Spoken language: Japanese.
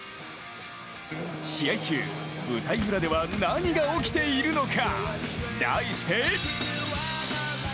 試合中、舞台裏では何が起きているのか。